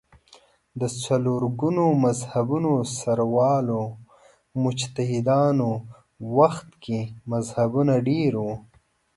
د څلور ګونو مذهبونو سروالو مجتهدانو وخت کې مذهبونه ډېر وو